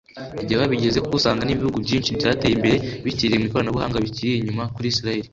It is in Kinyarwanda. ibyo babigezeho kuko usanga n’ibihugu byinshi byateye imbere bikiri mu ikoranabuhanga bikiri inyuma kuri Isiraheli